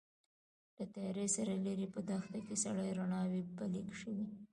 له تيارې سره ليرې په دښته کې سرې رڼاوې بلې شوې.